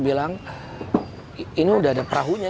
bilang ini udah ada perahunya